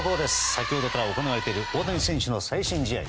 先ほどから行われている大谷選手の最新試合。